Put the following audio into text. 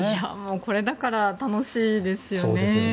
これだから楽しいですよね。